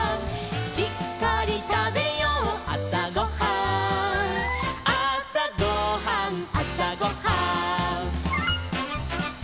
「しっかりたべようあさごはん」「あさごはんあさごはん」